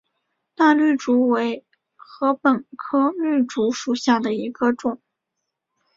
大绿竹为禾本科绿竹属下的一个种。